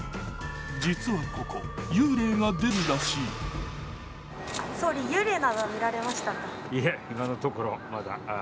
実はここ幽霊が出るらしい。